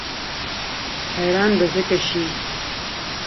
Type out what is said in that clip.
حیران به ځکه شي.